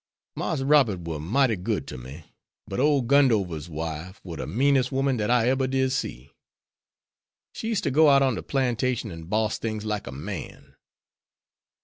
Marse Robert war mighty good to me, but ole Gundover's wife war de meanest woman dat I eber did see. She used to go out on de plantation an' boss things like a man.